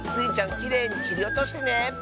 きれいにきりおとしてね！